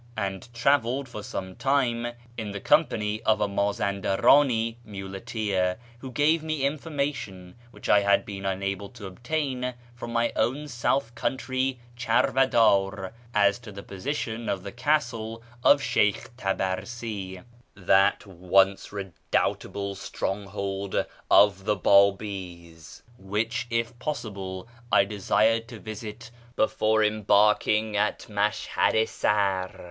and travelled for some time in the company of a Mazandarani muleteer, who "ave me information which I had been unable to obtain from my own south country charvaddr as to the position of the castle of Sheykh Tabarsi, that once redoubtable stronghold of the Babis, which, if possible, I desired to visit before embarking at Mashhad i Sar.